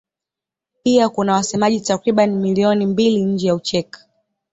Pia kuna wasemaji takriban milioni mbili nje ya Ucheki.